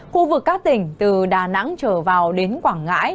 khu vực các tỉnh từ đà nẵng trở vào đến quảng ngãi